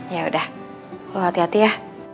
yaudah lo hati hati ya